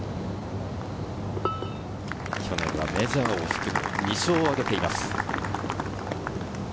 去年はメジャーを含む２勝を挙げています。